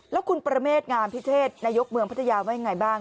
แล้วคุณประเมษงามพิเชษนายกเมืองพัทยาว่ายังไงบ้าง